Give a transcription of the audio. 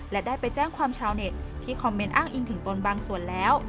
และได้ไปแจ้งความชาวเน็ตที่คอมเมนต์อ้างอิงถึงตนบางส่วนแล้ว